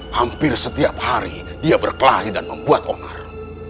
hampir setiap hari dia berkelahi dan membuat onar